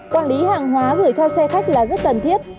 quản lý hàng hóa gửi theo xe khách là rất cần thiết